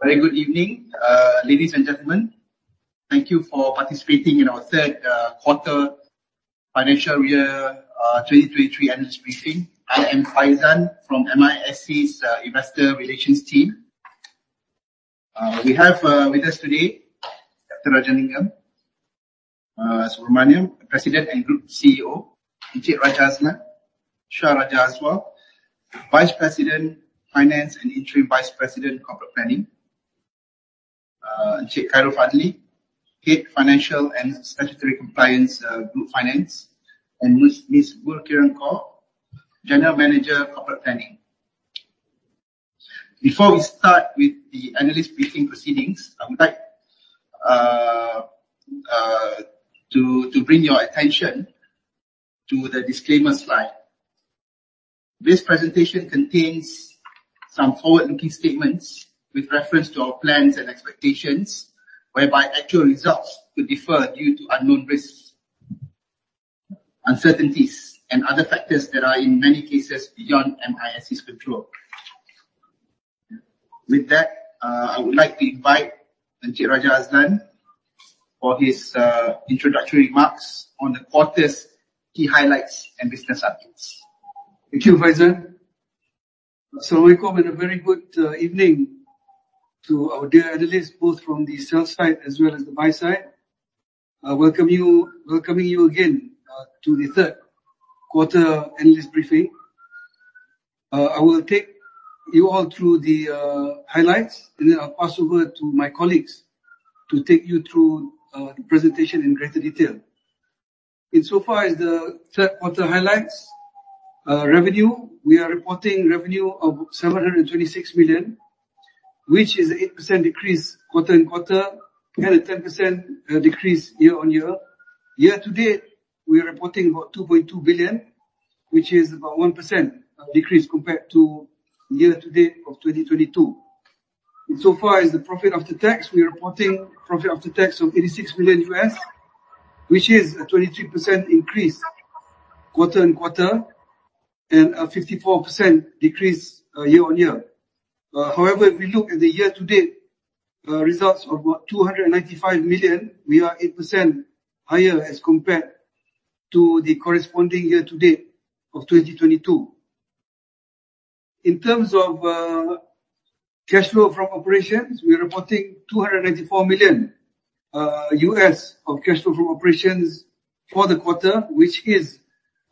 Very good evening, ladies and gentlemen. Thank you for participating in our third quarter financial year 2023 analyst briefing. I am Faizan from MISC's Investor Relations team. We have with us today Captain Rajalingam Subramaniam, President and Group CEO. Encik Raja Azlan Shah Raja Azwa, Vice President, Finance, and Interim Vice President of Corporate Planning. Encik Khairul Fadhli, Head Financial and Statutory Compliance, Group Finance. Ms. Woo Ke-Ran, General Manager of Corporate Planning. Before we start with the analyst briefing proceedings, I would like to bring your attention to the disclaimer slide. This presentation contains some forward-looking statements with reference to our plans and expectations, whereby actual results could differ due to unknown risks, uncertainties, and other factors that are, in many cases, beyond MISC's control. I would like to invite Encik Raja Azlan for his introductory remarks on the quarter's key highlights and business updates. Thank you, Faizan. Assalamualaikum and a very good evening to our dear analysts, both from the sell side as well as the buy side. Welcoming you again to the third quarter analyst briefing. I will take you all through the highlights, then I'll pass over to my colleagues to take you through the presentation in greater detail. Insofar as the third quarter highlights, revenue, we are reporting revenue of $726 million, which is 8% decrease quarter-on-quarter and a 10% decrease year-on-year. Year-to-date, we are reporting about $2.2 billion, which is about 1% decrease compared to year-to-date of 2022. So far as the profit after tax, we are reporting profit after tax of $86 million U.S., which is a 23% increase quarter-on-quarter and a 54% decrease year-on-year. If we look at the year-to-date results of about $295 million, we are 8% higher as compared to the corresponding year-to-date of 2022. In terms of cash flow from operations, we are reporting $294 million U.S. of cash flow from operations for the quarter, which is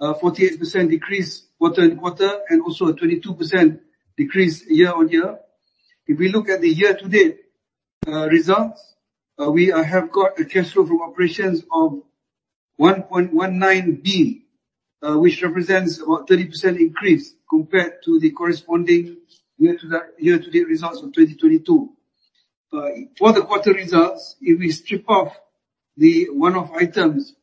a 48% decrease quarter-on-quarter and also a 22% decrease year-on-year. If we look at the year-to-date results, we have got a cash flow from operations of $1.19 billion, which represents about 30% increase compared to the corresponding year-to-date results of 2022. For the quarter results, if we strip off the one-off items,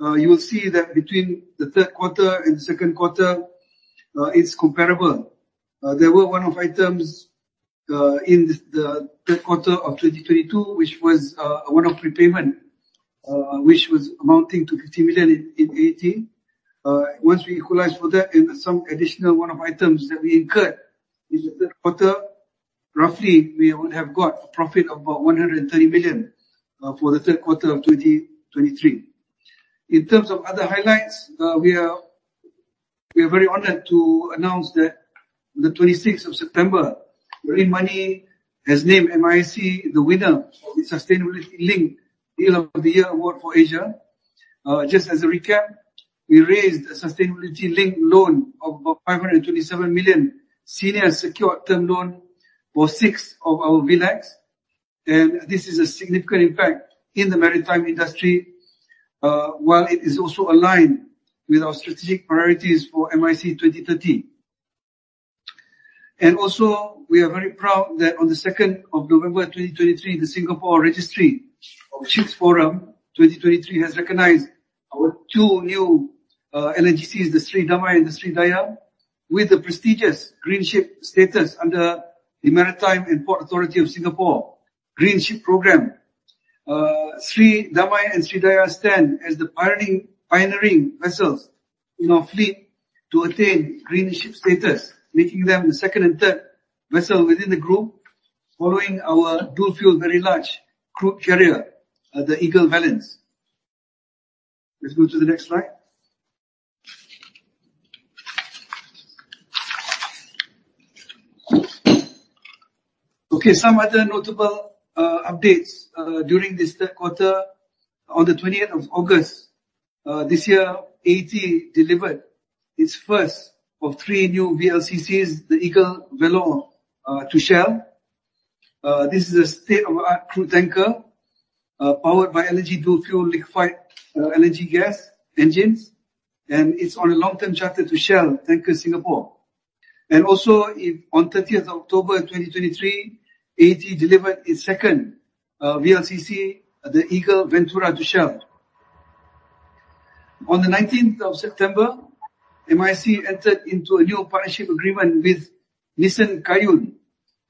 you will see that between the third quarter and second quarter, it's comparable. There were one-off items in the third quarter of 2022, which was a one-off prepayment, which was amounting to $50 million in AET. Once we equalize for that and some additional one-off items that we incurred in the third quarter, roughly we would have got a profit of about $130 million for the third quarter of 2023. In terms of other highlights, we are very honored to announce that on the 26th of September, GreenMoney has named MISC the winner of the Sustainability-Linked Deal of the Year award for Asia. Just as a recap, we raised a sustainability-linked loan of about $527 million senior secured term loan for six of our VLCCs. This is a significant impact in the maritime industry, while it is also aligned with our strategic priorities for MISC 2030. We are very proud that on the 2nd of November 2023, the Singapore Registry of Ships Forum 2023 has recognized our 2 new LNGCs, the Seri Damai and the Seri Daya, with the prestigious Green Ship status under the Maritime and Port Authority of Singapore Green Ship Programme. Seri Damai and Seri Daya stand as the pioneering vessels in our fleet to attain Green Ship status, making them the second and third vessel within the group, following our dual-fuel Very Large Crude Carrier, the Eagle Valence. Let's go to the next slide. Some other notable updates during this third quarter. On the 20th of August this year, AET delivered its first of 3 new VLCCs, the Eagle Vellore, to Shell. This is a state-of-the-art crude tanker powered by dual-fuel liquefied natural gas engines, and it's on a long-term charter to Shell Tankers Singapore. On 30th October 2023, AET delivered its second VLCC, the Eagle Ventura, to Shell. On the 19th of September, MISC entered into a new partnership agreement with Nissen Kaiun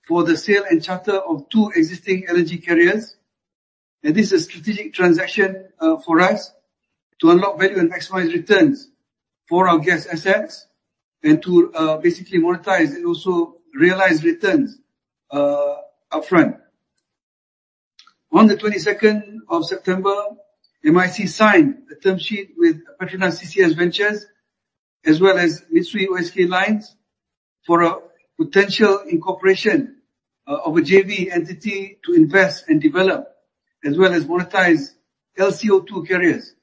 for the sale and charter of 2 existing energy carriers. This is a strategic transaction for us to unlock value and maximize returns for our gas assets and to monetize and realize returns upfront. On the 22nd of September, MISC signed a term sheet with PETRONAS CCS Ventures, as well as Mitsui O.S.K. Lines, for a potential incorporation of a JV entity to invest and develop as well as monetize LCO2 carriers.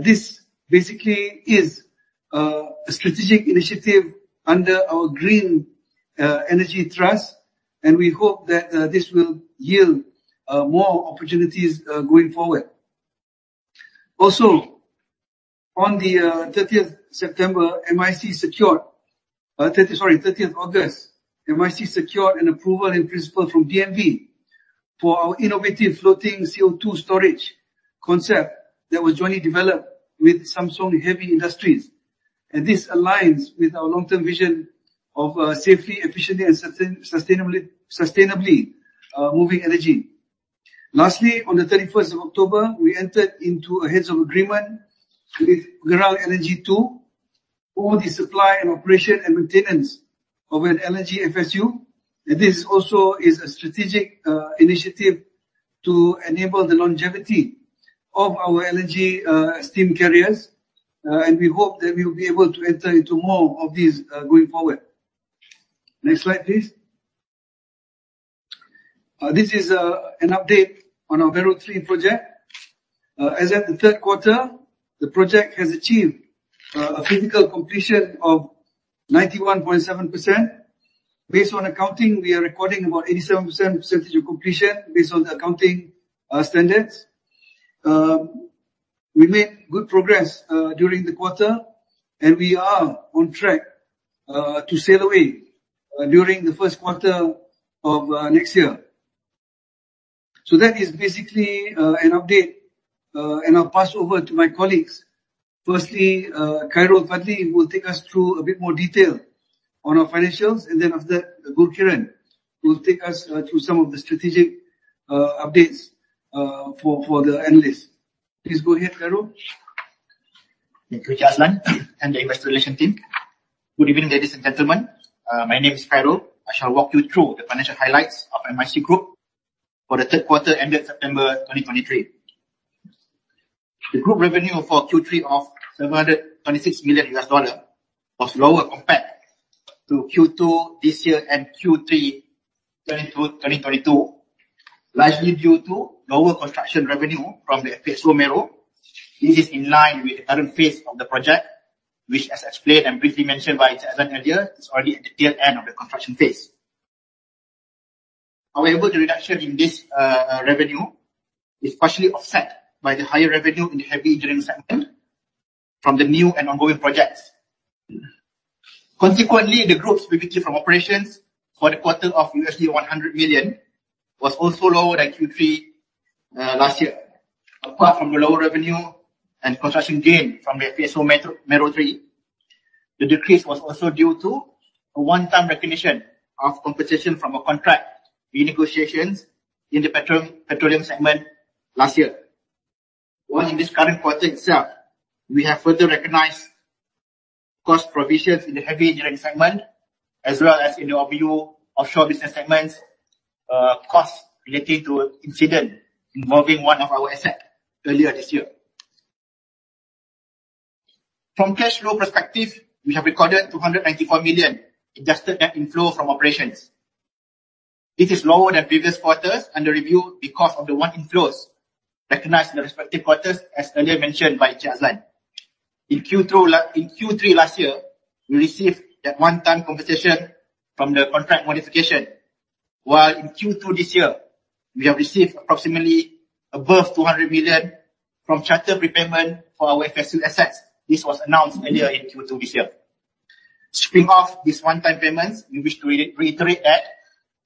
This is a strategic initiative under our green energy thrust, and we hope that this will yield more opportunities going forward. On the 30th September, MISC secured. Sorry, 30th August, MISC secured an approval in principle from DNV for our innovative floating CO2 storage concept that was jointly developed with Samsung Heavy Industries. This aligns with our long-term vision of safely, efficiently, and sustainably moving energy. Lastly, on the 31st of October, we entered into a heads of agreement with Coral Energy for the supply and operation and maintenance of an LNG FSU. This also is a strategic initiative to enable the longevity of our LNG steam carriers. We hope that we'll be able to enter into more of these going forward. Next slide, please. This is an update on our Mero 3 project. As at the third quarter, the project has achieved a physical completion of 91.7%. Based on accounting, we are recording about 87% percentage of completion based on the accounting standards. We made good progress during the quarter, and we are on track to sail away during the first quarter of next year. That is an update. I'll pass over to my colleagues. Firstly, Khairul Fadhli will take us through a bit more detail on our financials, and then after that, Gurkiran will take us through some of the strategic updates for the analysts. Please go ahead, Khairul. Thank you, Chair Azlan, and the investor relations team. Good evening, ladies and gentlemen. My name is Khairul. I shall walk you through the financial highlights of MISC Group for the third quarter ended September 2023. The group revenue for Q3 of $726 million was lower compared to Q2 this year and Q3 2022, largely due to lower construction revenue from the FPSO Mero. This is in line with the current phase of the project, which, as explained and briefly mentioned by Chair Azlan earlier, is already at the tail end of the construction phase. The reduction in this revenue is partially offset by the higher revenue in the Heavy Engineering Segment from the new and ongoing projects. The group's PBT from operations for the quarter of USD 100 million was also lower than Q3 last year. Apart from the lower revenue and construction gain from the FPSO Mero 3, the decrease was also due to a one-time recognition of compensation from a contract renegotiation in the Petroleum Segment last year. In this current quarter itself, we have further recognized cost provisions in the Heavy Engineering Segment, as well as in the OBU, Offshore Business Segments, costs relating to incident involving one of our assets earlier this year. From cash flow perspective, we have recorded $294 million adjusted net inflow from operations. This is lower than previous quarters under review because of the one-time inflows recognized in the respective quarters as earlier mentioned by Chair Azlan. In Q3 last year, we received that one-time compensation from the contract modification, while in Q2 this year, we have received approximately above $200 million from charter prepayment for our FSU assets. This was announced earlier in Q2 this year. Stripping off these one-time payments, we wish to reiterate that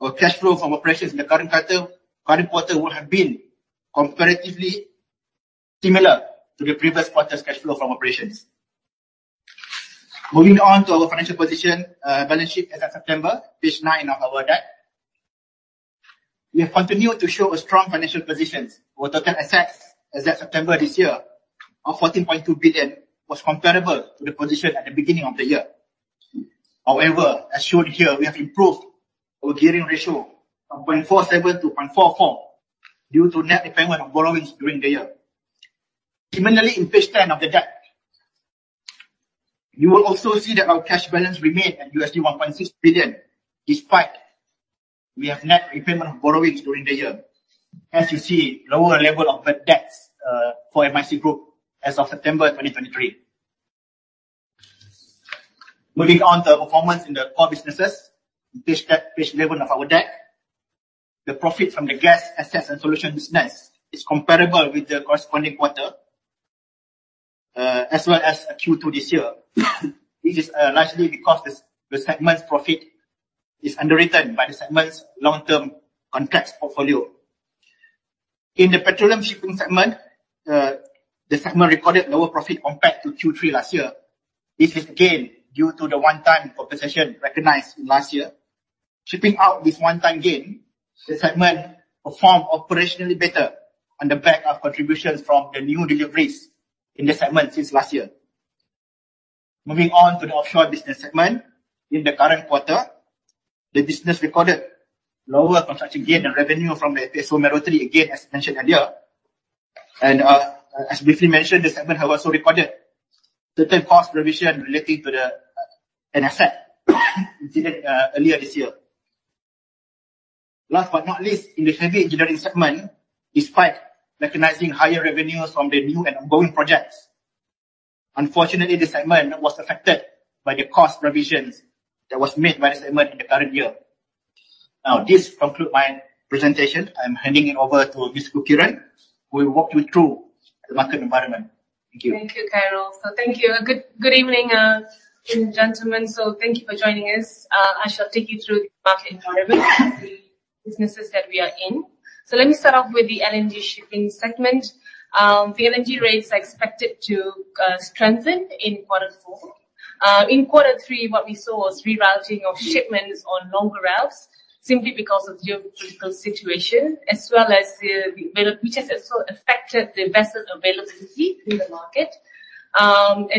our cash flow from operations in the current quarter would have been comparatively similar to the previous quarter's cash flow from operations. Moving on to our financial position, balance sheet as of September, page nine of our deck. We have continued to show a strong financial position, with total assets as at September this year of $14.2 billion was comparable to the position at the beginning of the year. As shown here, we have improved our gearing ratio from 0.47 to 0.44 due to net repayment of borrowings during the year. In page 10 of the deck. You will also see that our cash balance remained at $1.6 billion, despite we have net repayment of borrowings during the year. As you see, lower level of debt for MISC Group as of September 2023. Moving on to the performance in the core businesses. Page 11 of our deck. The profit from the Gas Assets and Solution Business is comparable with the corresponding quarter, as well as Q2 this year. This is largely because the segment's profit is underwritten by the segment's long-term contracts portfolio. In the Petroleum Shipping Segment, the segment recorded lower profit compared to Q3 last year. This is again due to the one-time concession recognized last year. Shipping out this one-time gain, the segment performed operationally better on the back of contributions from the new deliveries in the segment since last year. Moving on to the Offshore Business Segment. In the current quarter, the business recorded lower construction gain and revenue from the FPSO Mero, again, as mentioned earlier. As briefly mentioned, the segment also recorded certain cost provisions relating to an asset incident earlier this year. Last but not least, in the heavy engineering segment, despite recognizing higher revenues from the new and ongoing projects, unfortunately, the segment was affected by the cost provisions that was made by the segment in the current year. This concludes my presentation. I am handing it over to Ms. Kiran Kaur, who will walk you through the market environment. Thank you. Thank you, Carol. Thank you. Good evening, ladies and gentlemen. Thank you for joining us. I shall take you through the market environment of the businesses that we are in. Let me start off with the LNG shipping segment. The LNG rates are expected to strengthen in quarter four. In quarter three, what we saw was rerouting of shipments on longer routes simply because of the geopolitical situation, which has also affected the vessel availability in the market.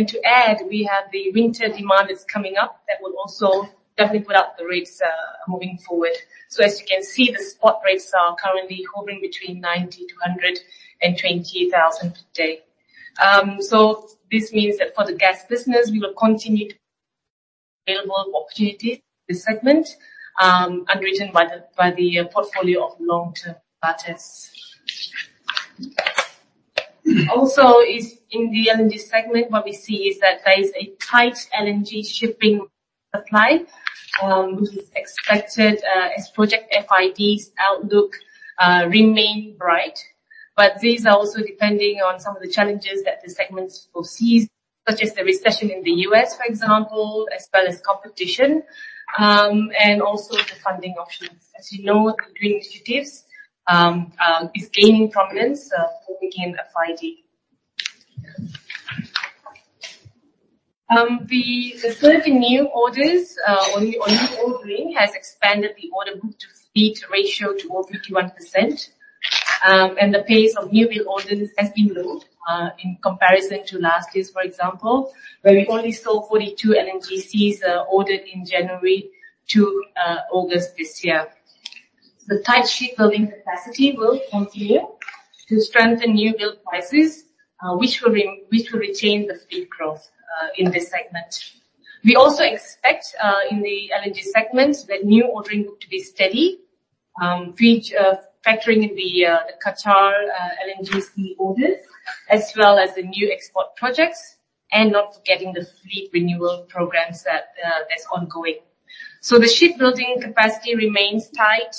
To add, we have the winter demand that's coming up that will also definitely put up the rates moving forward. As you can see, the spot rates are currently hovering between 90,000 to 120,000 today. This means that for the gas business, we will continue to available opportunities in this segment, underpinned by the portfolio of long-term charters. Also in the LNG segment, what we see is that there is a tight LNG shipping supply, which is expected as project FIDs outlook remain bright. These are also depending on some of the challenges that the segments foresee, such as the recession in the U.S., for example, as well as competition, and also the funding options. As you know, the green initiatives is gaining prominence before we can FID. The slow in new orders or new ordering has expanded the order book to fleet ratio to over 51%. The pace of newbuild orders has been low, in comparison to last year, for example, where we only saw 42 LNGCs ordered in January to August this year. The tight shipbuilding capacity will continue to strengthen newbuild prices, which will retain the fleet growth in this segment. We also expect in the LNG segment that new ordering book to be steady, featuring the Qatar LNGC orders, as well as the new export projects, and not forgetting the fleet renewal programs that's ongoing. The shipbuilding capacity remains tight,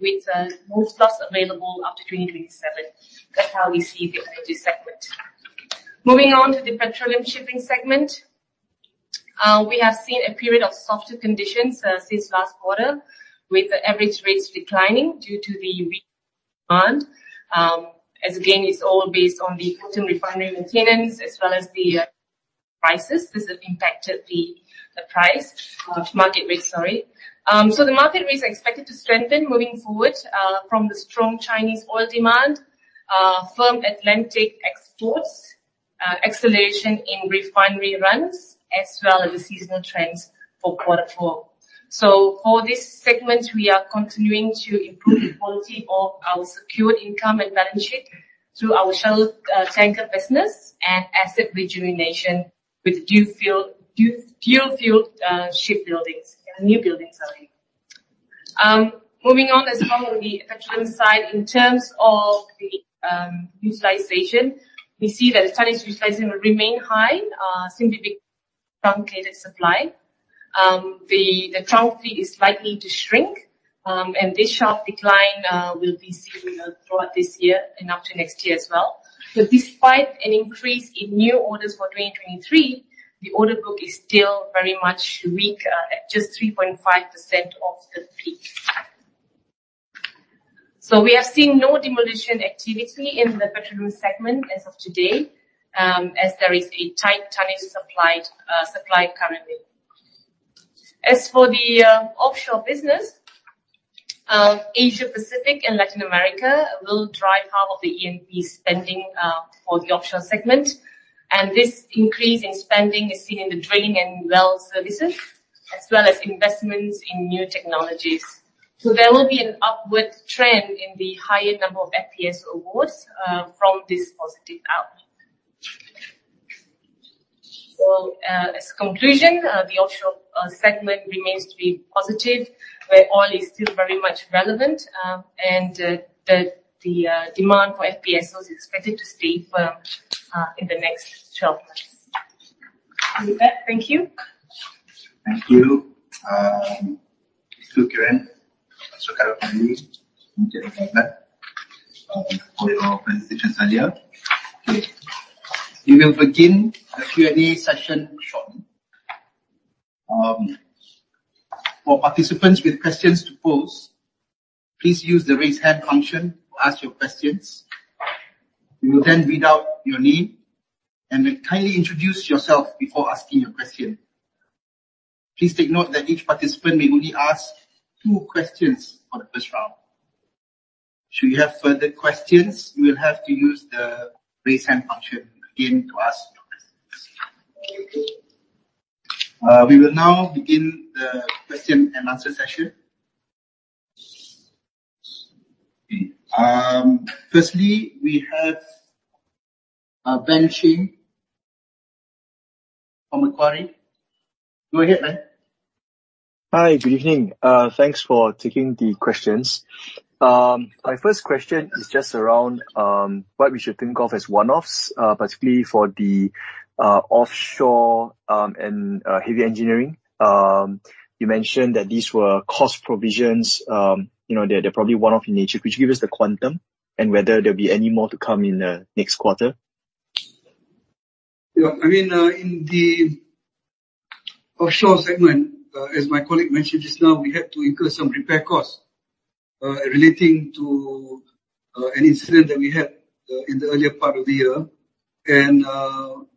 with no slots available up to 2027. That's how we see the LNG segment. Moving on to the petroleum shipping segment. We have seen a period of softer conditions since last quarter, with the average rates declining due to the weak demand. As again, it's all based on the autumn refinery maintenance as well as the prices. This has impacted the price of market rates, sorry. The market rates are expected to strengthen moving forward from the strong Chinese oil demand, firm Atlantic exports, acceleration in refinery runs, as well as the seasonal trends for quarter four. For this segment, we are continuing to improve the quality of our secured income and balance sheet through our shallow tanker business and asset rejuvenation with dual-fuel ship buildings. New buildings, sorry. Moving on. On the petroleum side, in terms of the utilization, we see that the Chinese utilization will remain high simply because truncated supply. The tanker fleet is likely to shrink, and this sharp decline will be seen throughout this year and up to next year as well. Despite an increase in new orders for 2023, the order book is still very much weaker at just 3.5% of the fleet. We have seen no demolition activity in the petroleum segment as of today, as there is a tight Chinese supply currently. The offshore business, Asia Pacific and Latin America will drive half of the E&P spending for the offshore segment. This increase in spending is seen in the drilling and well services, as well as investments in new technologies. There will be an upward trend in the higher number of FPSO awards from this positive outlook. As a conclusion, the offshore segment remains to be positive, where oil is still very much relevant, and the demand for FPSOs is expected to stay firm in the next 12 months. With that, thank you. Thank you, Kiran Kaur. Carol for leading and Jennifer for your presentations earlier. We will begin the Q&A session shortly. For participants with questions to pose, please use the Raise Hand function to ask your questions. We will then read out your name, and kindly introduce yourself before asking your question. Please take note that each participant may only ask two questions for the first round. Should you have further questions, you will have to use the Raise Hand function again to ask your questions. We will now begin the question and answer session. Firstly, we have Ben Chin from Macquarie. Go ahead, Ben. Hi. Good evening. Thanks for taking the questions. My first question is just around what we should think of as one-offs, particularly for the offshore and heavy engineering. You mentioned that these were cost provisions. They're probably one-off in nature. Could you give us the quantum and whether there'll be any more to come in the next quarter? Yeah. In the offshore segment, as my colleague mentioned just now, we had to incur some repair costs relating to an incident that we had in the earlier part of the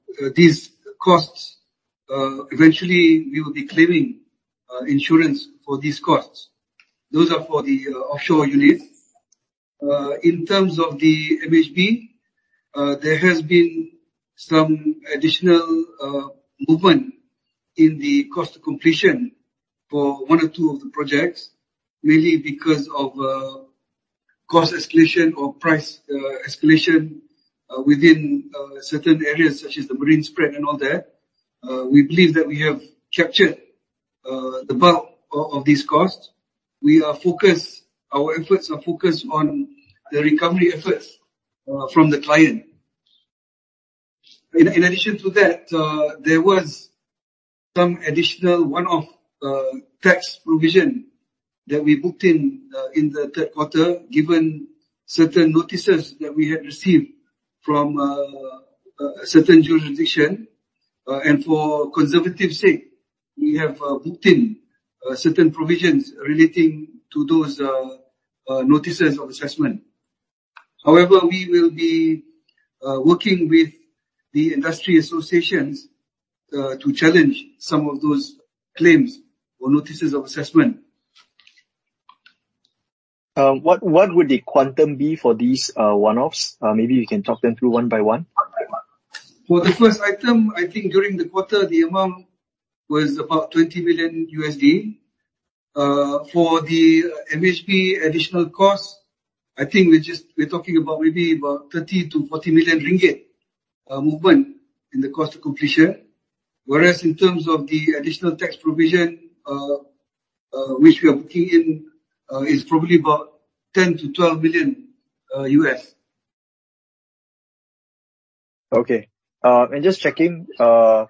year. These costs, eventually we will be claiming insurance for these costs. Those are for the offshore unit. In terms of the MHB, there has been some additional movement in the cost of completion for one or two of the projects, mainly because of cost escalation or price escalation within certain areas, such as the marine spread and all that. We believe that we have captured the bulk of these costs. Our efforts are focused on the recovery efforts from the client. In addition to that, there was some additional one-off tax provision that we booked in the third quarter, given certain notices that we had received from a certain jurisdiction. For conservative sake, we have booked in certain provisions relating to those notices of assessment. However, we will be working with the industry associations to challenge some of those claims or notices of assessment. What would the quantum be for these one-offs? Maybe you can talk them through one by one. For the first item, I think during the quarter, the amount was about MYR 20 million. For the MHB additional cost, I think we're talking about maybe about 30 million-40 million ringgit movement in the cost of completion. Whereas in terms of the additional tax provision, which we are booking in, is probably about $10 million-$12 million. Okay. Just checking, I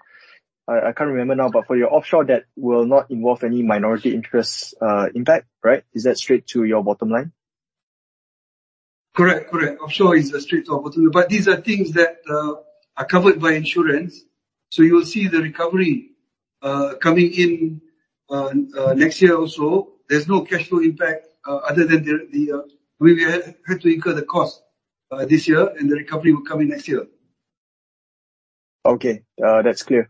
can't remember now, for your offshore, that will not involve any minority interest impact, right? Is that straight to your bottom line? Correct. Offshore is straight to our bottom line. These are things that are covered by insurance. You will see the recovery coming in next year also. There's no cash flow impact other than we had to incur the cost this year, the recovery will come in next year. Okay. That's clear.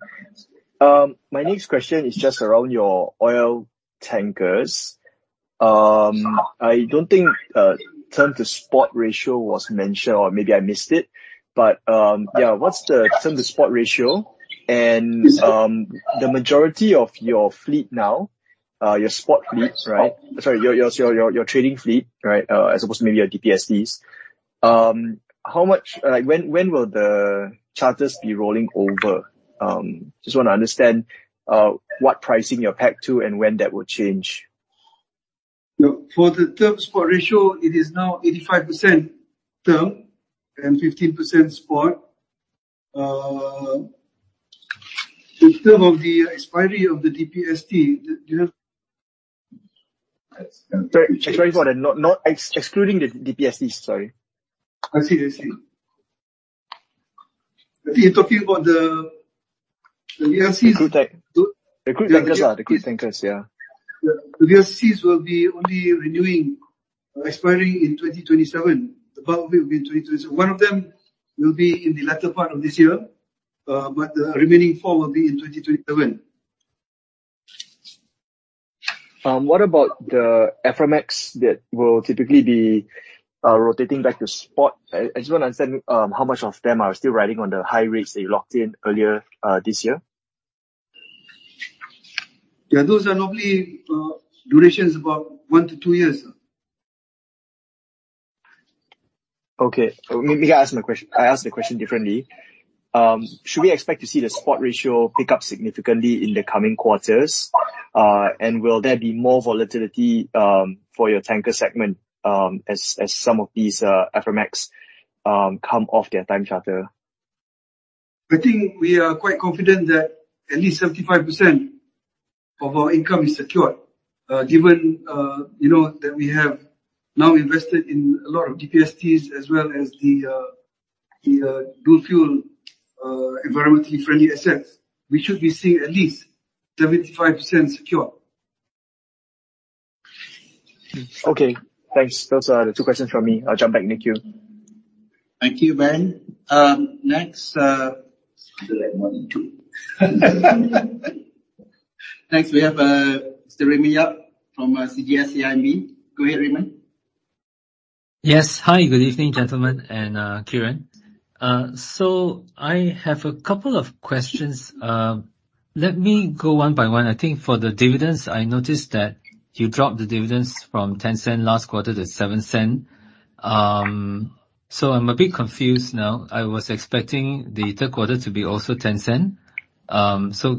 My next question is just around your oil tankers. I don't think term to spot ratio was mentioned, or maybe I missed it. Yeah, what's the term to spot ratio? The majority of your fleet now, your spot fleets, Sorry, your trading fleet, right? As opposed to maybe your DPSTs. When will the charters be rolling over? Just want to understand what pricing you're pegged to and when that will change. For the term-spot ratio, it is now 85% term and 15% spot. In terms of the expiry of the DPST, do you have? Sorry for that. Excluding the DPSTs, sorry. I see. I think you're talking about the VLCCs. The crude tankers. Yeah. The VSCs will be only renewing, expiring in 2027. About will be in 2027. One of them will be in the latter part of this year. The remaining four will be in 2027. What about the FMX that will typically be rotating back to spot? I just want to understand how much of them are still riding on the high rates that you locked in earlier this year. Yeah, those are normally durations about one to two years. Okay. Maybe I ask the question differently. Should we expect to see the spot ratio pick up significantly in the coming quarters? Will there be more volatility for your tanker segment as some of these FMX come off their time charter? I think we are quite confident that at least 75% of our income is secured, given that we have now invested in a lot of DPSTs as well as the dual-fuel environmentally friendly assets, we should be seeing at least 75% secure. Okay, thanks. Those are the two questions from me. I'll jump back in the queue. Thank you, Ben. Next. Faster than one and two. Next, we have Mr. Raymond Yap from CGS-CIMB. Go ahead, Raymond. Yes. Hi, good evening, gentlemen and Kiran. I have a couple of questions. Let me go one by one. I think for the dividends, I noticed that you dropped the dividends from 0.10 last quarter to 0.07. I'm a bit confused now. I was expecting the third quarter to be also 0.10.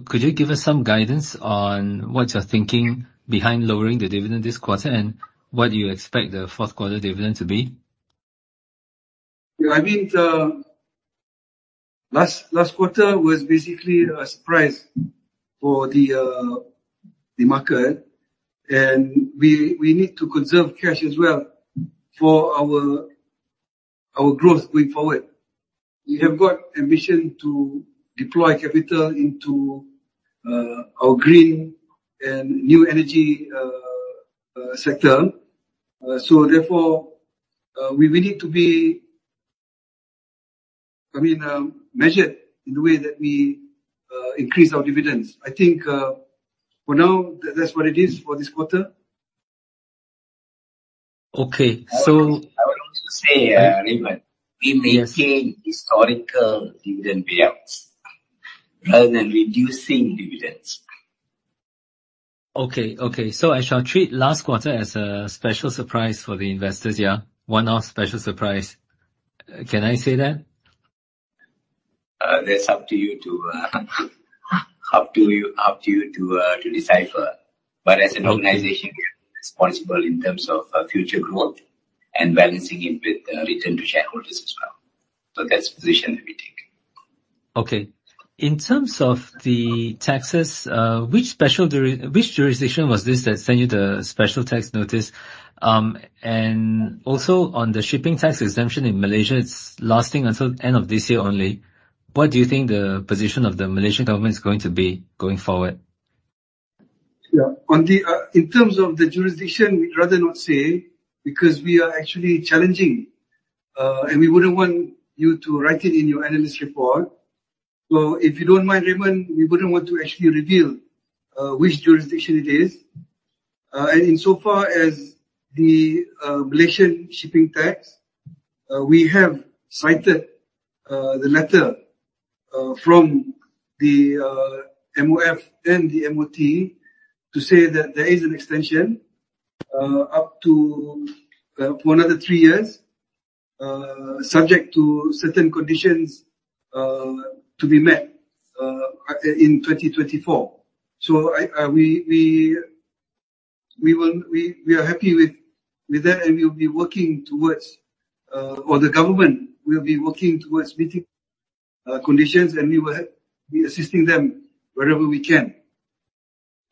Could you give us some guidance on what you're thinking behind lowering the dividend this quarter, and what do you expect the fourth quarter dividend to be? Last quarter was basically a surprise for the market, and we need to conserve cash as well for our growth going forward. We have got a mission to deploy capital into our green and new energy sector. Therefore, we need to be measured in the way that we increase our dividends. I think for now, that's what it is for this quarter. Okay. I would also say, Raymond, we maintain historical dividend payouts rather than reducing dividends. Okay. I shall treat last quarter as a special surprise for the investors. One-off special surprise. Can I say that? That's up to you to decipher. As an organization, we are responsible in terms of future growth and balancing it with return to shareholders as well. That's the position that we take. Okay. In terms of the taxes, which jurisdiction was this that sent you the special tax notice? Also on the shipping tax exemption in Malaysia, it's lasting until end of this year only. What do you think the position of the Malaysian government is going to be going forward? In terms of the jurisdiction, we'd rather not say because we are actually challenging, and we wouldn't want you to write it in your analyst report. If you don't mind, Raymond, we wouldn't want to actually reveal which jurisdiction it is. Insofar as the Malaysian shipping tax, we have cited the letter from the MOF and the MOT to say that there is an extension up to another three years, subject to certain conditions to be met in 2024. We are happy with that, and we'll be working towards, or the government will be working towards meeting conditions, and we will be assisting them wherever we can.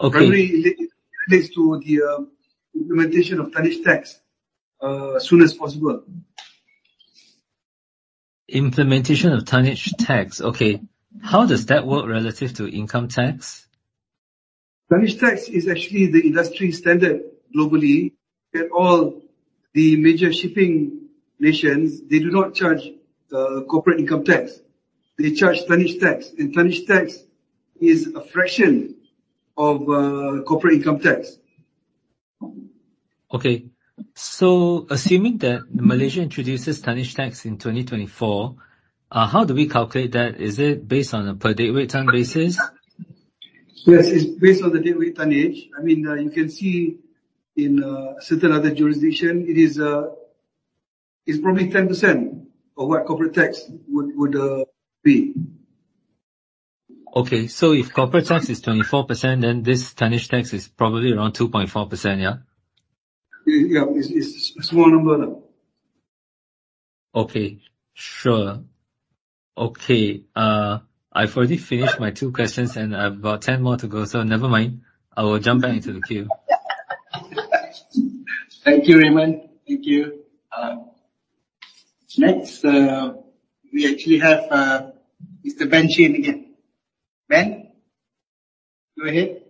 Okay. Probably it leads to the implementation of tonnage tax as soon as possible. Implementation of tonnage tax. Okay. How does that work relative to income tax? Tonnage tax is actually the industry standard globally, that all the major shipping nations, they do not charge corporate income tax. They charge tonnage tax, tonnage tax is a fraction of corporate income tax. Okay. Assuming that Malaysia introduces tonnage tax in 2024, how do we calculate that? Is it based on a per deadweight ton basis? Yes, it's based on the deadweight tonnage. You can see in certain other jurisdictions, it's probably 10% of what corporate tax would be. Okay. If corporate tax is 24%, this tonnage tax is probably around 2.4%, yeah? Yeah. It's a small number. Okay. Sure. Okay. I've already finished my two questions, and I've got 10 more to go. Never mind. I will jump back into the queue. Thank you, Raymond. Thank you. Next, we actually have Mr. Ben Chin again. Ben, go ahead.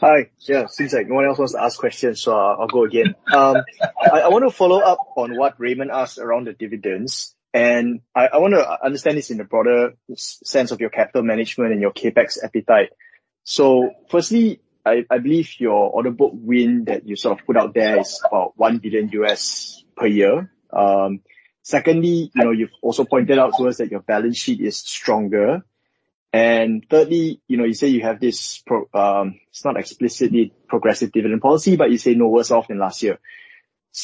Hi. Yeah. Seems like no one else wants to ask questions. I'll go again. I want to follow up on what Raymond asked around the dividends, and I want to understand this in the broader sense of your capital management and your CapEx appetite. Firstly, I believe your order book win that you sort of put out there is about 1 billion per year. Secondly, you've also pointed out to us that your balance sheet is stronger. Thirdly, you say you have this, it's not explicitly progressive dividend policy, but you say no worse off than last year.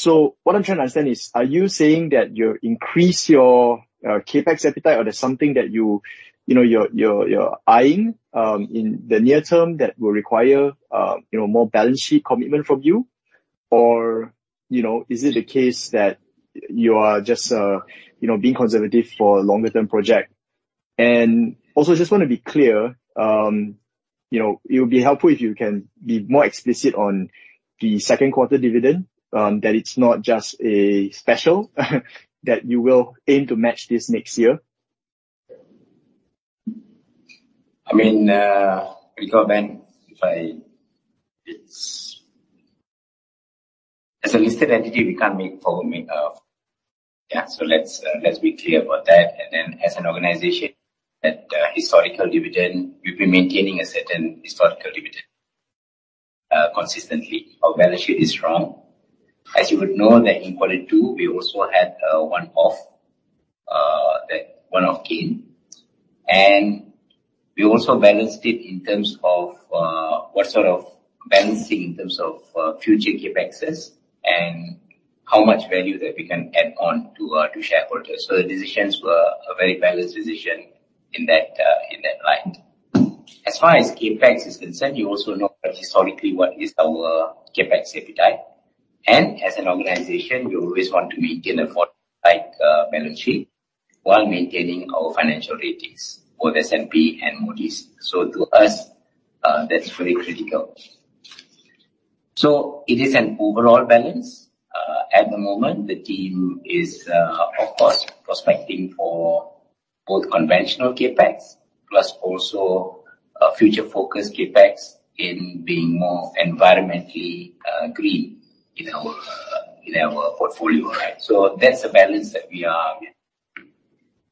What I'm trying to understand is, are you saying that you increase your CapEx appetite or there's something that you're eyeing in the near term that will require more balance sheet commitment from you? Is it a case that you are just being conservative for a longer-term project? Also, just want to be clear, it would be helpful if you can be more explicit on the second quarter dividend, that it's not just a special that you will aim to match this next year. As a listed entity, we can't make for. Yeah. Let's be clear about that. As an organization, that historical dividend, we've been maintaining a certain historical dividend consistently. Our balance sheet is strong. As you would know that in quarter two, we also had one-off gain. We also balanced it in terms of what sort of balancing in terms of future CapEx and how much value that we can add on to shareholders. The decisions were a very balanced decision in that light. As far as CapEx is concerned, you also know historically what is our CapEx appetite. As an organization, we always want to maintain a fort-like balance sheet while maintaining our financial ratings, both S&P and Moody's. To us, that's very critical. It is an overall balance. At the moment, the team is of course prospecting for both conventional CapEx plus also future-focused CapEx in being more environmentally green in our portfolio. That's the balance that we are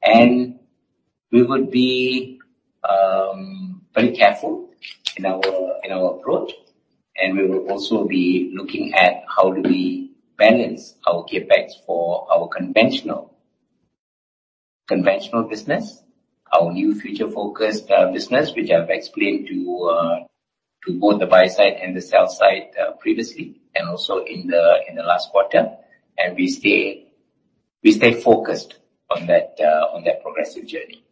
making. We would be very careful in our approach, and we will also be looking at how do we balance our CapEx for our conventional business, our new future-focused business, which I've explained to both the buy side and the sell side previously and also in the last quarter. We stay focused on that progressive journey.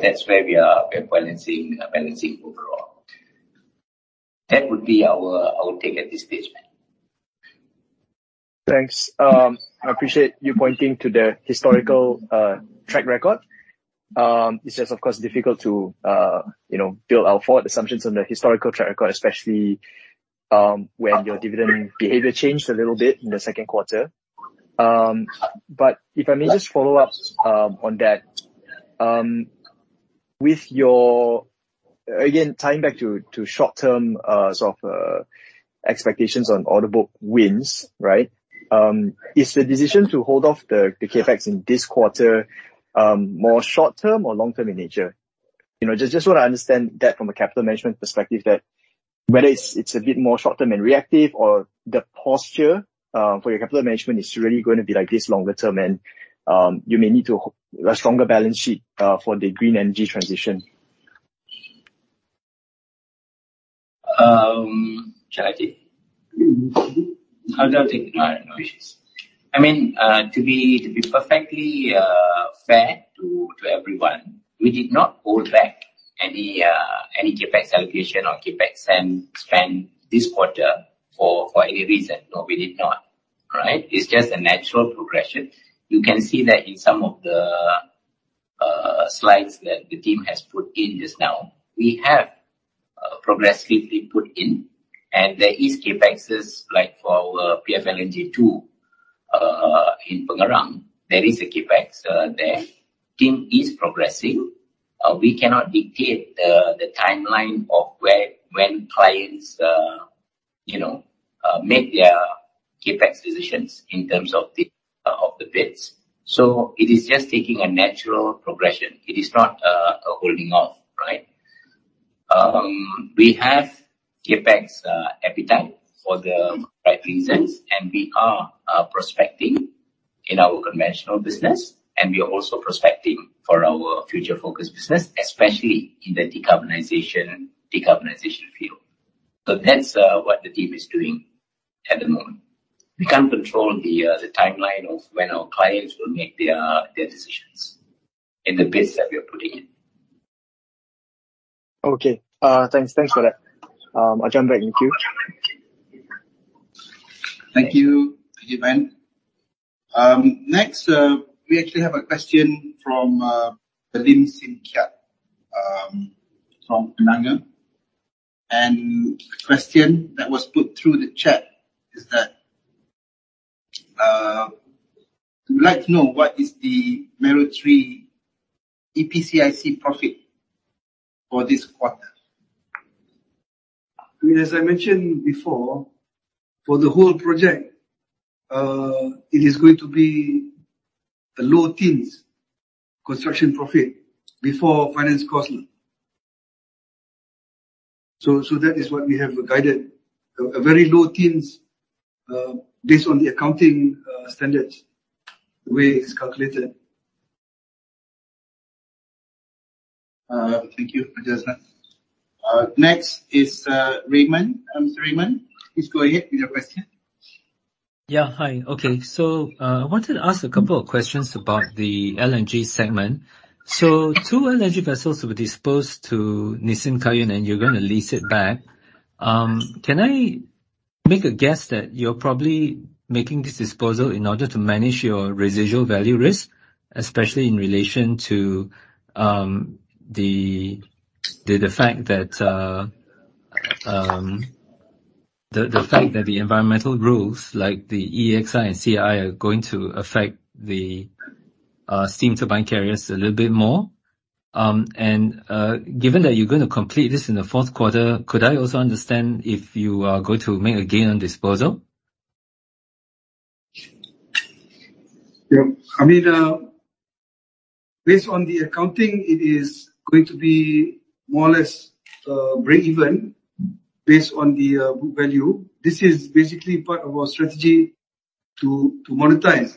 That's where we are balancing overall. That would be our take at this stage, Ben. Thanks. I appreciate you pointing to the historical track record. It's just, of course, difficult to build our forward assumptions on the historical track record, especially when your dividend behavior changed a little bit in the second quarter. If I may just follow up on that. Again, tying back to short-term sort of expectations on order book wins, right? Is the decision to hold off the CapEx in this quarter more short term or long term in nature? Just want to understand that from a capital management perspective that whether it's a bit more short term and reactive or the posture for your capital management is really going to be like this longer term, and you may need to have a stronger balance sheet for the green energy transition. Shall I take? I'll take it. All right. No issues. To be perfectly fair to everyone, we did not hold back any CapEx allocation or CapEx spend this quarter for any reason. No, we did not. Right? It's just a natural progression. You can see that in some of the slides that the team has put in just now. We have progressively put in, and there is CapExes, like for our PFLNG DUA in Pengerang. There is a CapEx there. Team is progressing. We cannot dictate the timeline of when clients make their CapEx decisions in terms of the bids. It is just taking a natural progression. It is not a holding off, right? We have CapEx appetite for the right reasons, and we are prospecting in our conventional business, and we are also prospecting for our future-focused business, especially in the decarbonization field. That's what the team is doing at the moment. We can't control the timeline of when our clients will make their decisions in the bids that we are putting in. Okay. Thanks for that. I'll come back with you. Thank you. Thank you, Ben. Next, we actually have a question from Lim Sin Kiat from Penang. The question that was put through the chat is that, we would like to know what is the Mero 3 EPCIC profit for this quarter. As I mentioned before, for the whole project, it is going to be a low teens construction profit before finance cost. That is what we have guided. A very low teens, based on the accounting standards, the way it's calculated. Thank you, Raja Azlan. Next is Raymond. Mr. Raymond, please go ahead with your question. Yeah. Hi. Okay. I wanted to ask a couple of questions about the LNG segment. Two LNG vessels were disposed to Nisshin Shipping, and you're going to lease it back. Make a guess that you're probably making this disposal in order to manage your residual value risk, especially in relation to the fact that the environmental rules like the EEXI and CII are going to affect the steam turbine carriers a little bit more. Given that you're going to complete this in the fourth quarter, could I also understand if you are going to make a gain on disposal? Yeah. Based on the accounting, it is going to be more or less breakeven based on the book value. This is basically part of our strategy to monetize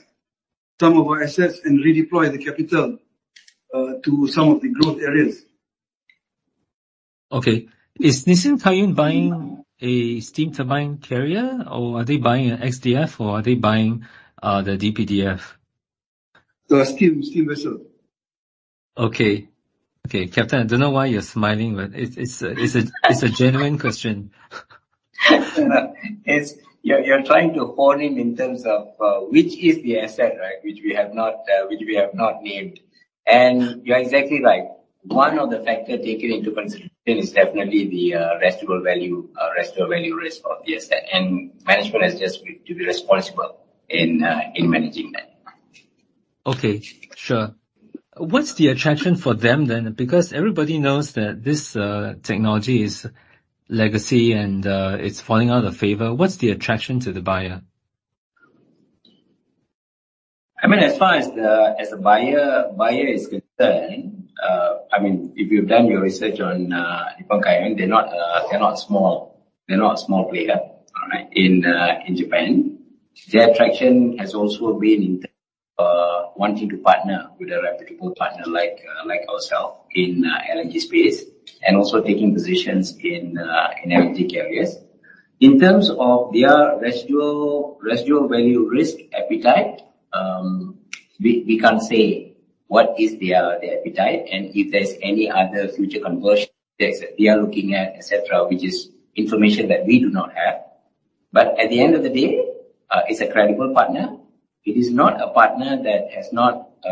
some of our assets and redeploy the capital to some of the growth areas. Okay. Is Nisshin Shipping buying a steam turbine carrier, or are they buying an XDF, or are they buying the DFDE? The steam vessel. Okay. Captain, I don't know why you're smiling, but it's a genuine question. Yes. You're trying to hone in in terms of which is the asset, right? Which we have not named. You're exactly right. One of the factors taken into consideration is definitely the residual value risk of the asset. Management has just to be responsible in managing that. Okay. Sure. What's the attraction for them then? Because everybody knows that this technology is legacy and it's falling out of favor. What's the attraction to the buyer? As far as the buyer is concerned, if you've done your research on the Nisshin Shipping, they're not a small player, all right? In Japan. Their attraction has also been in terms of wanting to partner with a reputable partner like ourselves in LNG space, and also taking positions in LNG carriers. In terms of their residual value risk appetite, we can't say what is their appetite and if there's any other future conversion that they are looking at, et cetera, which is information that we do not have. At the end of the day, it's a credible partner. It is not a partner that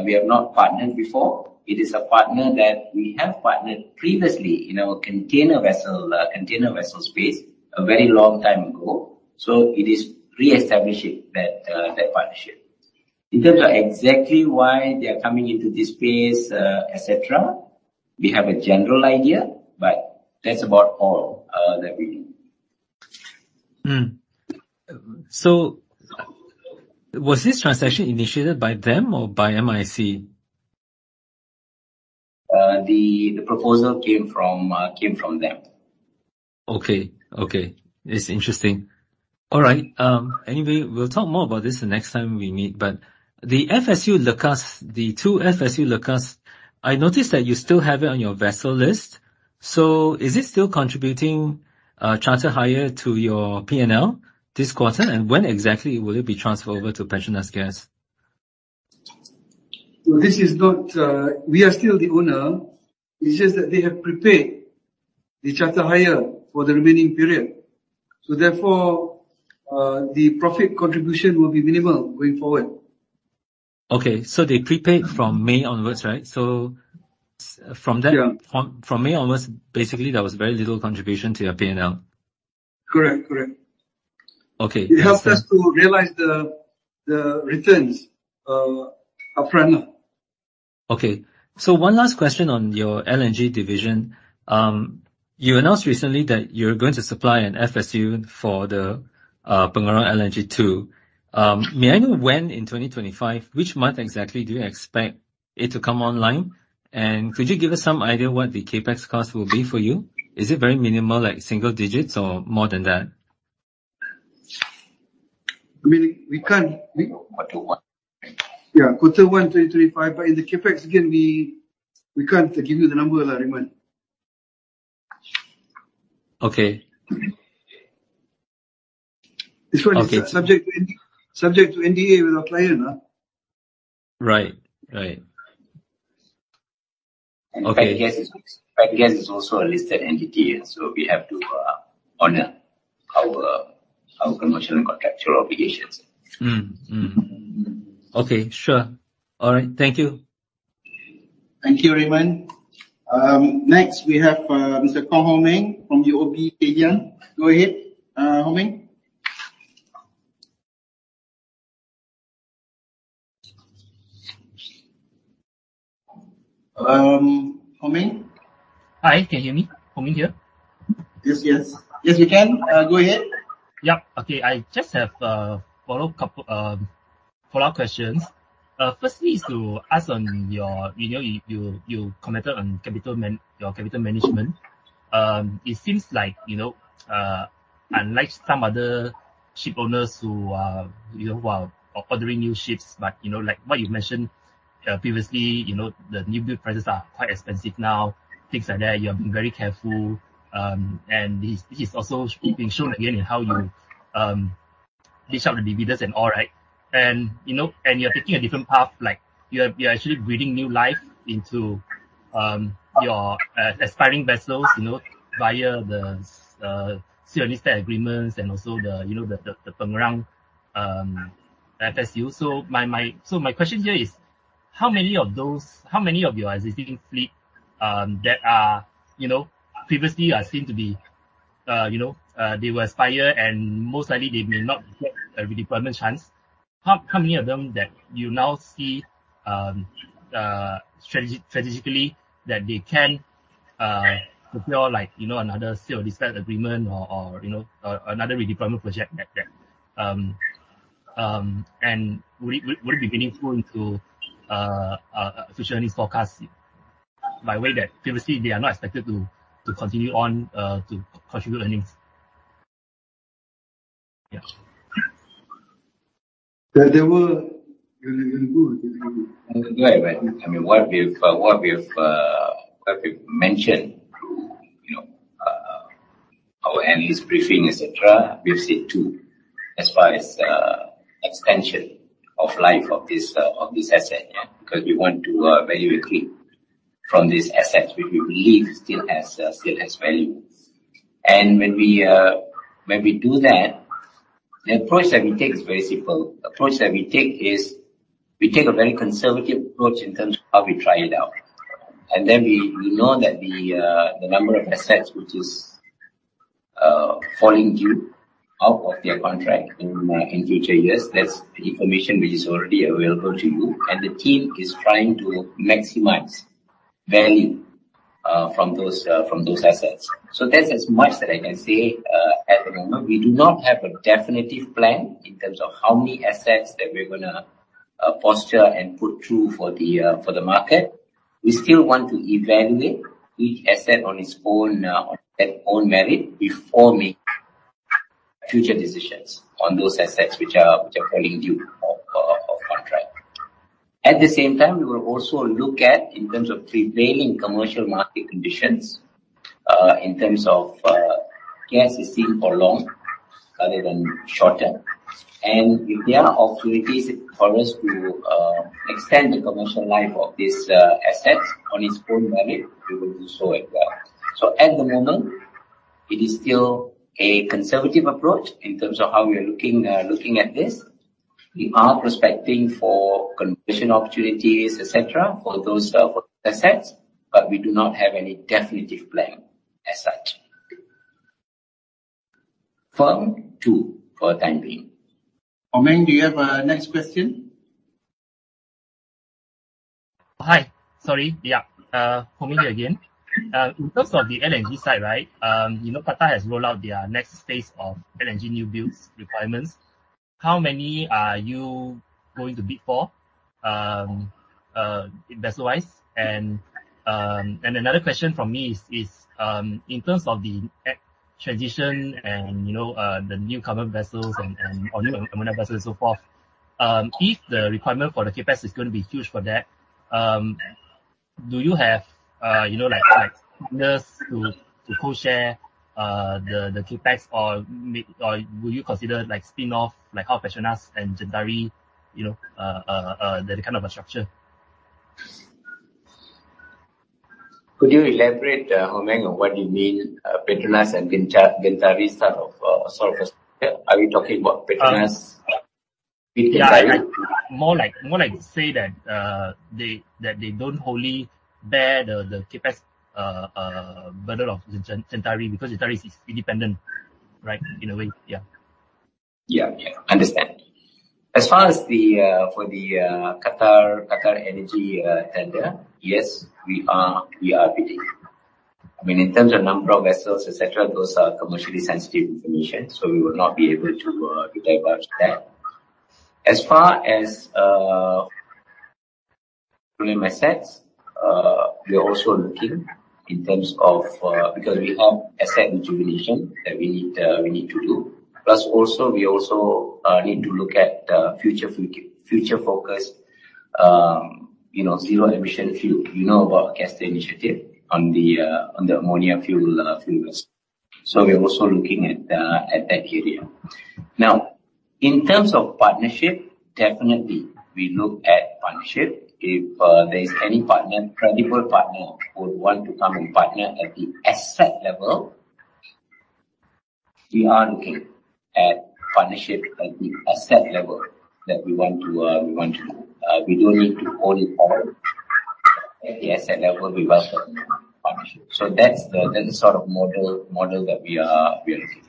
we have not partnered before. It is a partner that we have partnered previously in our container vessel space a very long time ago. It is reestablishing that partnership. In terms of exactly why they are coming into this space, et cetera, we have a general idea, but that's about all that we know. Was this transaction initiated by them or by MISC? The proposal came from them. Okay. It's interesting. All right. Anyway, we'll talk more about this the next time we meet, the FSU Lekas, the two FSU Lekas, I noticed that you still have it on your vessel list. Is it still contributing charter hire to your P&L this quarter? And when exactly will it be transferred over to PETRONAS Gas? We are still the owner. It's just that they have prepaid the charter hire for the remaining period. Therefore, the profit contribution will be minimal going forward. Okay. They prepaid from May onwards, right? Yeah From May onwards, basically, there was very little contribution to your P&L. Correct. Okay. It helps us to realize the returns upfront now. Okay. One last question on your LNG division. You announced recently that you're going to supply an FSU for the Pengerang LNG 2. May I know when in 2025, which month exactly do you expect it to come online? Could you give us some idea what the CapEx cost will be for you? Is it very minimal, like single digits or more than that? We can't. Yeah, quarter one 2025. In the CapEx, again, we can't give you the number, Raymond. Okay. This one is subject to NDA with our client. Right. PETRONAS is also a listed entity, we have to honor our commercial and contractual obligations. Okay. Sure. All right. Thank you. Thank you, Raymond. Next, we have Mr. Kong Ho Meng from UOB Kay Hian. Go ahead, How Meng. How Meng? Hi, can you hear me? How Meng here. Yes, we can. Go ahead. Yep. Okay. I just have a follow-up question. You commented on your capital management. It seems like, unlike some other ship owners who are ordering new ships, like what you've mentioned previously, the new build prices are quite expensive now, things like that. You have been very careful. It's also being shown again in how you ditch out the dividends and all. You're taking a different path, you're actually breathing new life into your aspiring vessels via the sea listed agreements and also the Pengerang FSU. My question here is, how many of your existing fleet that previously they will expire and most likely they may not get a redeployment chance. How many of them that you now see strategically that they can fulfill another sea listed agreement or another redeployment project like that? Would it be meaningful into future earnings forecast by way that previously they are not expected to continue on to contribute earnings? Yeah. There were- Right. What we've mentioned through our earnings briefing, et cetera, we've said two as far as extension of life of this asset. Because we want to evaluate it from this asset which we believe still has value. When we do that, the approach that we take is very simple. The approach that we take is, we take a very conservative approach in terms of how we try it out. Then we know that the number of assets which is falling due out of their contract in future years, that's the information which is already available to you. The team is trying to maximize value from those assets. That's as much that I can say at the moment. We do not have a definitive plan in terms of how many assets that we're going to posture and put through for the market. We still want to evaluate each asset on its own merit before making future decisions on those assets which are falling due of contract. At the same time, we will also look at, in terms of prevailing commercial market conditions, in terms of gas is seen for long rather than short-term. If there are opportunities for us to extend the commercial life of this asset on its own merit, we will do so as well. At the moment, it is still a conservative approach in terms of how we are looking at this. We are prospecting for conversion opportunities, et cetera, for those assets, but we do not have any definitive plan as such. Firm two for the time being. Heng Meng, do you have a next question? Hi. Sorry. Yeah. Heng Meng here again. In terms of the LNG side. Qatar has rolled out their next phase of LNG new builds requirements. How many are you going to bid for, vessel-wise? Another question from me is, in terms of the transition and the new carbon vessels and new ammonia vessels, so forth. If the requirement for the CapEx is going to be huge for that, do you have partners to co-share the CapEx or would you consider spinoff like how PETRONAS and Gentari, that kind of a structure? Could you elaborate, Heng Meng, on what you mean PETRONAS and Gentari sort of structure? Are we talking about PETRONAS with Gentari? More like say that they don't wholly bear the CapEx burden of Gentari because Gentari is independent, right? In a way. Yeah. Yeah. Understand. As far as for the QatarEnergy tender. Yes, we are bidding. In terms of number of vessels, et cetera, those are commercially sensitive information, so we would not be able to divulge that. As far as volume assets, we are also looking in terms of because we have asset rejuvenation that we need to do. Plus, we also need to look at future-focused zero-emission fuel. You know about our gas initiative on the ammonia fuel vessels. We are also looking at that area. In terms of partnership, definitely we look at partnership. If there is any credible partner who would want to come and partner at the asset level, we are looking at partnership at the asset level that we want to do. We don't need to own it all at the asset level. We welcome partnership. That's the sort of model that we are looking.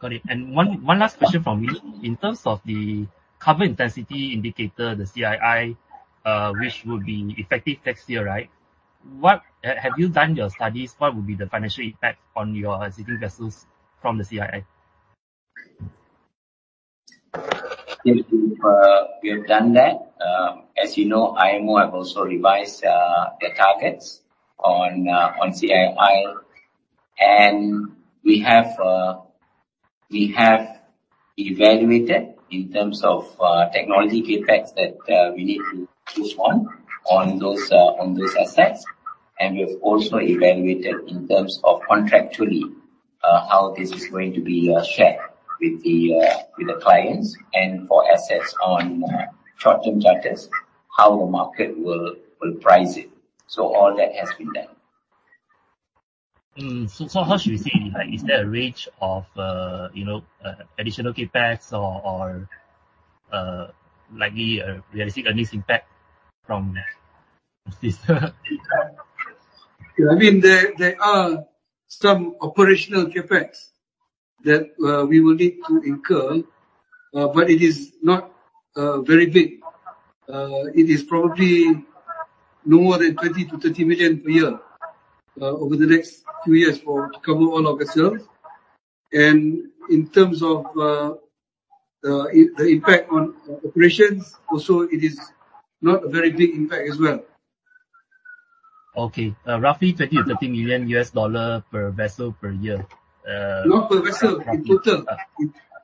Got it. One last question from me. In terms of the carbon intensity indicator, the CII, which would be effective next year, right? Have you done your studies? What would be the financial impact on your existing vessels from the CII? Yes. We have done that. As you know, IMO have also revised their targets on CII. We have evaluated in terms of technology CapEx that we need to push on those assets. We have also evaluated in terms of contractually, how this is going to be shared with the clients and for assets on short-term charters, how the market will price it. All that has been done. How should we see it? Is there a range of additional CapEx or likely are we seeing a missed impact from this CapEx? There are some operational CapEx that we will need to incur, it is not very big. It is probably no more than $20 million-$30 million per year, over the next few years to cover all of the ships. In terms of the impact on operations, also it is not a very big impact as well. Okay. Roughly $20 million-$30 million per vessel per year. Not per vessel. In total.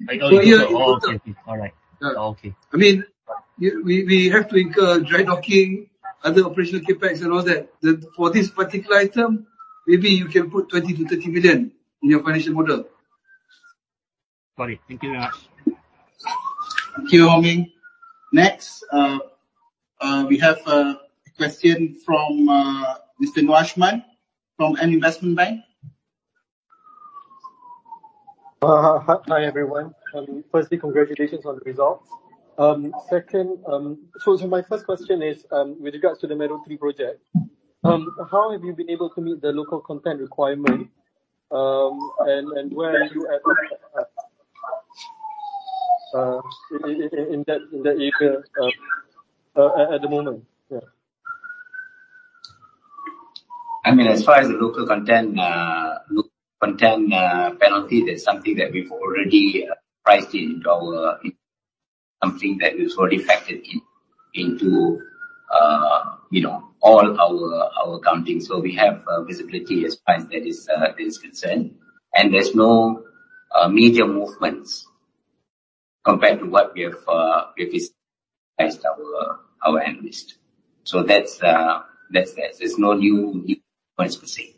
I know. Per year in total. All right. Okay. We have to incur dry docking, other operational CapEx and all that. For this particular item, maybe you can put 20 million-30 million in your financial model. Got it. Thank you very much. Thank you, Ho-Ming. Next, we have a question from Mr. Nuashman from N Investment Bank. Hi, everyone. Firstly, congratulations on the results. Second, my first question is, with regards to the Mero 3 project, how have you been able to meet the local content requirement? And where are you at, in that area at the moment? As far as the local content penalty, that's something that we've already factored into all our accounting. We have visibility as far as that is concerned. There's no major movements compared to what we have advised our analyst. That's that. There's no new points per se.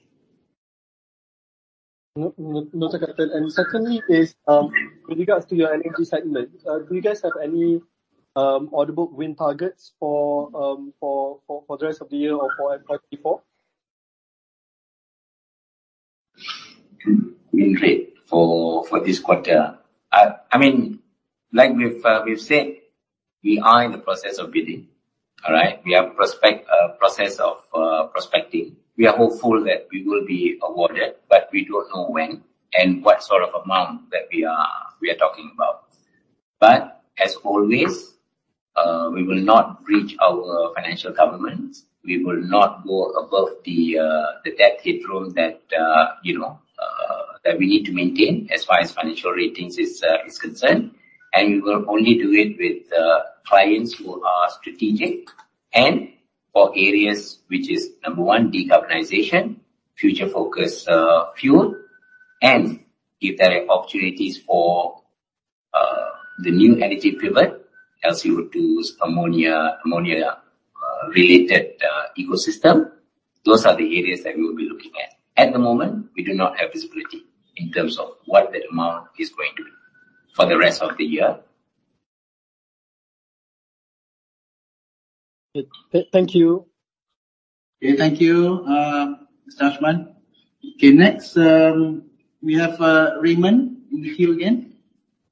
Note taken. Secondly is, with regards to your energy segment, do you guys have any order book win targets for the rest of the year or for FY 2024? Win rate for this quarter. Like we've said, we are in the process of bidding. All right? We are in the process of prospecting. We are hopeful that we will be awarded, but we don't know when and what sort of amount that we are talking about. As always, we will not breach our financial covenants. We will not go above the debt headroom that we need to maintain as far as financial ratings is concerned. We will only do it with clients who are strategic and for areas which is, number one, decarbonization, future focus fuel. If there are opportunities for the new energy pivot, CO2s, ammonia related ecosystem, those are the areas that we will be looking at. At the moment, we do not have visibility in terms of what that amount is going to be for the rest of the year. Thank you. Thank you, Mr. Nuashman. Next, we have Raymond in the queue again.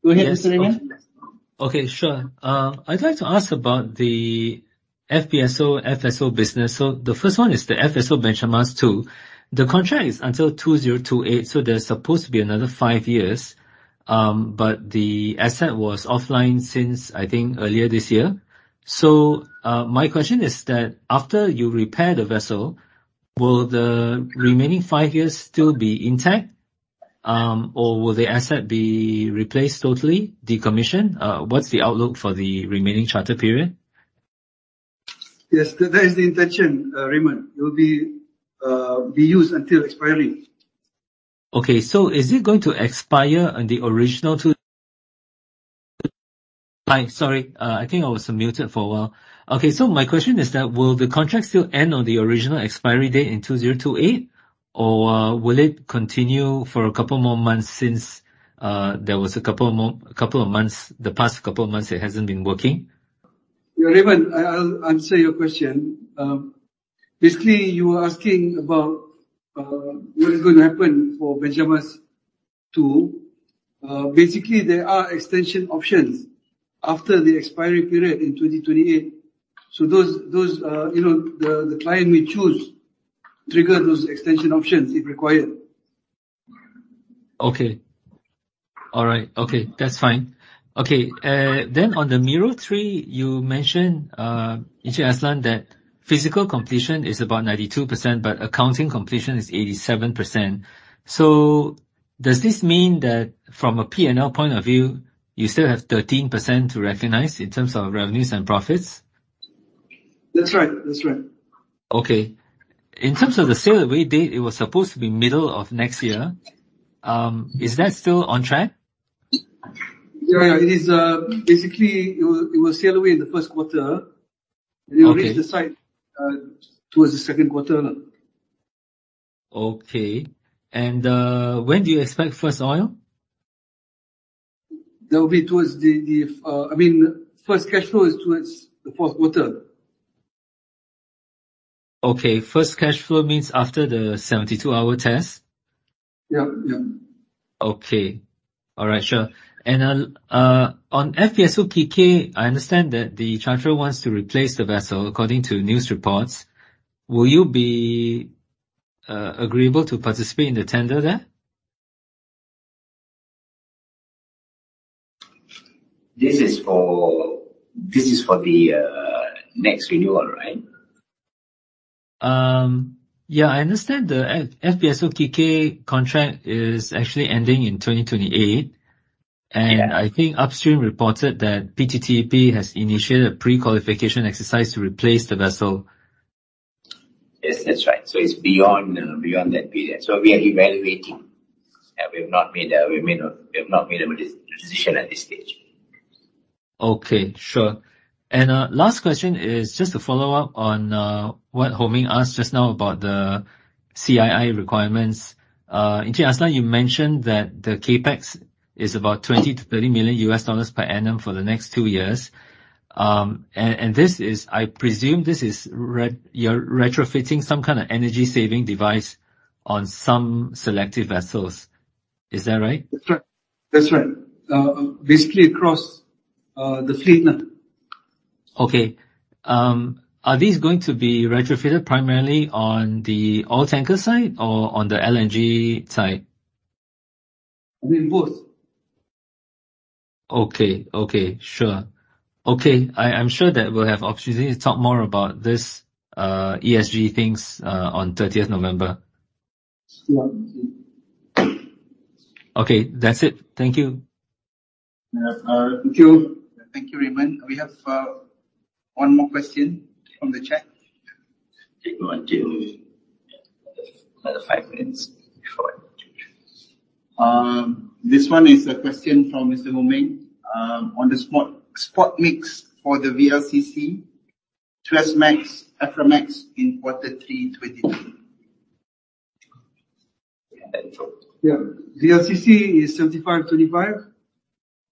Go ahead, Mr. Raymond. Okay, sure. I'd like to ask about the FPSO/FSO business. The first one is the FSO Benchamas 2. The contract is until 2028, there's supposed to be another five years. The asset was offline since, I think, earlier this year. My question is that after you repair the vessel, will the remaining five years still be intact? Will the asset be replaced totally, decommissioned? What's the outlook for the remaining charter period? Yes, that is the intention, Raymond. It will be used until expiry. Okay. Is it going to expire on the original Sorry, I think I was muted for a while. Okay, my question is that will the contract still end on the original expiry date in 2028, or will it continue for a couple more months since the past couple of months it hasn't been working? Yeah, Raymond, I'll answer your question. Basically, you were asking about what is going to happen for FSO Benchamas 2. Basically, there are extension options after the expiry period in 2028. The client may choose trigger those extension options if required. Okay. All right. Okay, that's fine. Okay, on the Mero 3, you mentioned, Raja Azlan, that physical completion is about 92%, but accounting completion is 87%. Does this mean that from a P&L point of view, you still have 13% to recognize in terms of revenues and profits? That's right. Okay. In terms of the sail away date, it was supposed to be middle of next year. Is that still on track? Yeah. Basically, it will sail away in the first quarter. Okay It will reach the site towards the second quarter. Okay. When do you expect first oil? First cash flow is towards the fourth quarter. Okay. First cash flow means after the 72-hour test? Yep. Okay. All right, sure. On FPSO Kikeh, I understand that the charterer wants to replace the vessel, according to news reports. Will you be agreeable to participate in the tender there? This is for the next renewal, right? Yeah, I understand the FPSO Kikeh contract is actually ending in 2028. Yeah. I think Upstream reported that PTTEP has initiated a prequalification exercise to replace the vessel. Yes, that's right. It's beyond that period. We are evaluating, and we have not made a decision at this stage. Okay, sure. Last question is just a follow-up on what Ho-Ming asked just now about the CII requirements. Encik Azlan, you mentioned that the CapEx is about MYR 20 million-MYR 30 million per annum for the next two years. This is, I presume, you're retrofitting some kind of energy-saving device on some selective vessels. Is that right? That's right. Basically across the fleet. Okay. Are these going to be retrofitted primarily on the oil tanker side or on the LNG side? I mean, both. Okay. Sure. Okay, I am sure that we'll have opportunity to talk more about these ESG things on 30th November. Sure, thank you. Okay, that's it. Thank you. Yeah. Thank you. Thank you, Raymond. We have one more question from the chat. Take about five minutes before. This one is a question from Mr. Ho-Ming on the spot mix for the VLCC, Suezmax, Aframax in quarter three 2023. Yeah, that's all. Yeah. VLCC is 75/25,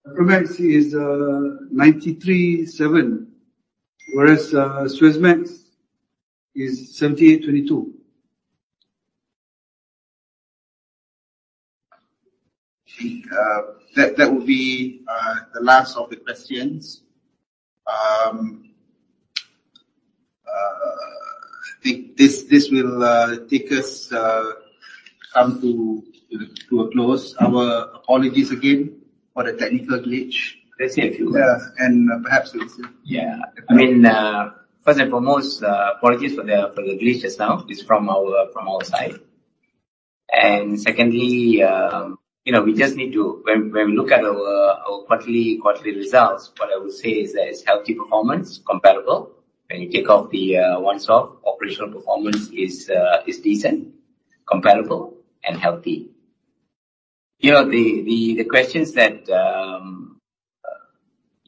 Aframax is 93/7, whereas Suezmax is 78/22. Okay. That would be the last of the questions. I think this will take us come to a close. Our apologies again for the technical glitch. That's it. Yeah. Yeah. I mean, first and foremost, apologies for the glitch just now. It's from our side. Secondly, when we look at our quarterly results, what I would say is that it's healthy performance, comparable. When you take off the once-off, operational performance is decent, comparable and healthy. The questions that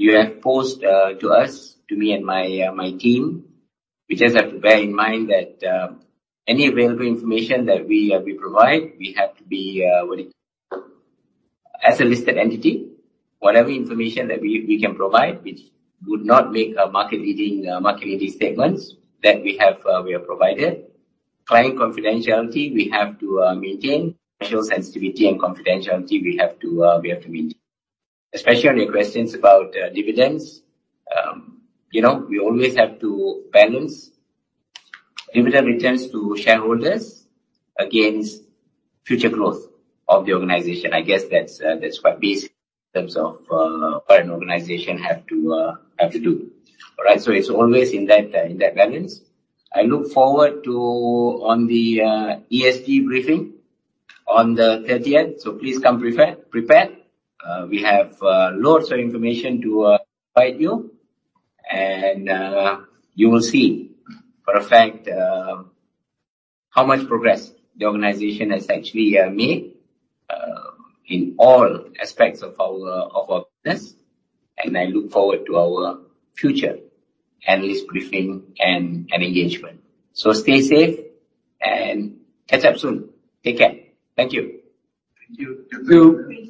you have posed to us, to me and my team, we just have to bear in mind that any available information that we provide, we have to be, as a listed entity, whatever information that we can provide, which would not make a market-leading statement that we have provided. Client confidentiality, we have to maintain. Professional sensitivity and confidentiality, we have to maintain. Especially on your questions about dividends, we always have to balance dividend returns to shareholders against future growth of the organization. I guess that's quite basic in terms of what an organization have to do. All right? It's always in that balance. I look forward to on the ESG briefing on the 30th. Please come prepared. We have loads of information to provide you will see for a fact how much progress the organization has actually made in all aspects of our business, I look forward to our future analyst briefing and engagement. Stay safe and catch up soon. Take care. Thank you. Thank you. Thank you. Thank you.